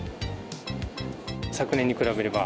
昨年に比べれば、